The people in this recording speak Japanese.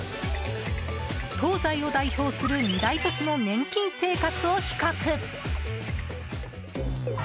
東西を代表する二大都市の年金生活を比較。